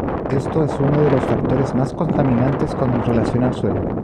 Esto es uno de los factores más contaminantes con relación al suelo.